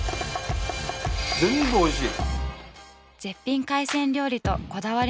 全部おいしい。